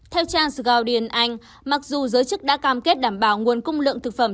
theo trang the guardian anh mặc dù giới chức đã cam kết đảm bảo nguồn cung lượng thực phẩm